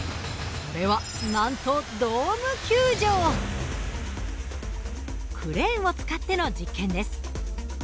それはなんとクレーンを使っての実験です。